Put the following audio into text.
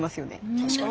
確かに。